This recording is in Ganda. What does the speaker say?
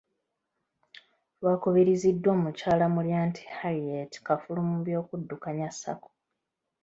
Lwakubiriziddwa Mukyala Mulyanti Harriet, kafulu mu by'okuddukanya sacco.